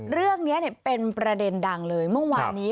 เรื่องนี้เป็นประเด็นดังเลยเมื่อวานนี้